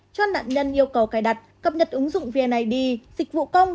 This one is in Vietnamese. cho nạn nhân yêu cầu cài đặt cập nhật ứng dụng vnid dịch vụ công